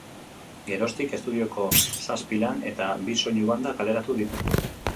Geroztik, estudioko zazpi lan eta bi soinu-banda kaleratu ditu.